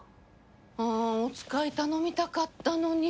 あーお使い頼みたかったのに。